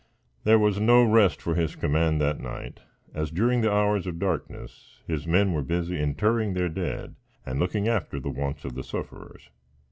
There was no rest for his command that night, as, during the hours of darkness, his men were busy interring their dead and looking after the wants of the sufferers.